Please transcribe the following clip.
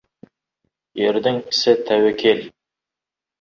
Ердің ісі — тәуекел.